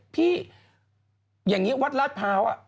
พี่อย่างนี้วัดลาภาว